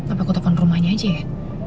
apa aku tekan rumahnya aja ya